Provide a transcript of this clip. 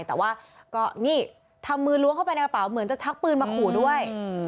แต่ว่าก็นี่ทำมือล้วงเข้าไปในกระเป๋าเหมือนจะชักปืนมาขู่ด้วย